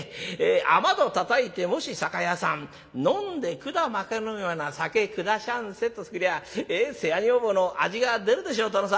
『雨戸たたいてもし酒屋さん飲んでくだ巻かぬよな酒くだしゃんせ』と来りゃ世話女房の味が出るでしょ殿さん」。